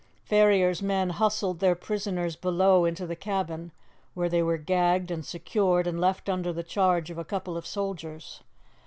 Ferrier's men hustled their prisoners below into the cabin, where they were gagged and secured and left under the charge of a couple of soldiers.